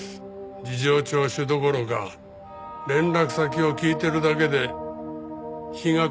事情聴取どころか連絡先を聞いてるだけで日が暮れました。